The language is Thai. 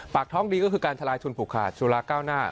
ปากท้องดีก็คือการทลายทุนผูกขาดสุราเก้าหน้า